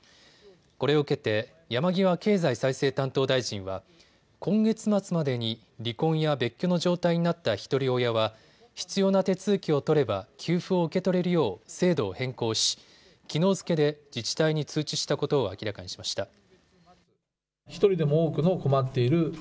これを受けて山際経済再生担当大臣は今月末までに離婚や別居の状態になったひとり親は必要な手続きを取れば給付を受け取れるよう制度を変更しきのう付けで自治体に通知したことを明らかにしました。